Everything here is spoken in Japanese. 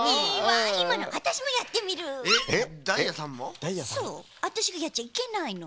あたしがやっちゃいけないの？